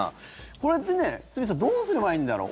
これって、堤さんどうすればいいんだろう。